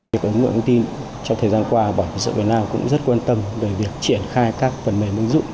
việc ứng dụng bảo hiểm xã hội việt nam trong thời gian qua cũng rất quan tâm về việc triển khai các phần mềm ứng dụng